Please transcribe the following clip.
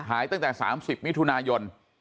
ตั้งแต่๓๐มิถุนายน